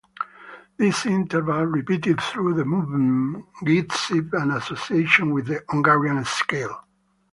This interval, repeated through the movement, gives it an association with the Hungarian scale.